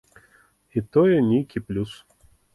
І тое нейкі плюс.